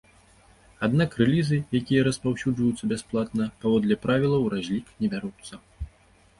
Аднак рэлізы, якія распаўсюджваюцца бясплатна, паводле правілаў у разлік не бяруцца.